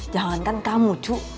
jangan kan kamu cok